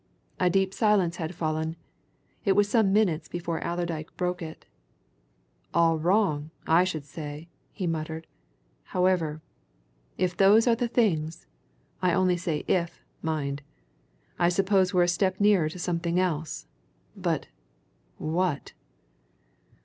A deep silence had fallen it was some minutes before Allerdyke broke it. "All wrong, I should say!" he muttered. "However, if those are the things I only say if, mind I suppose we're a step nearer to something else. But what?"